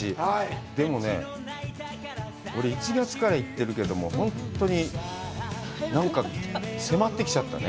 でもね、俺１月から言ってるけども、本当に、なんか迫ってきちゃったね。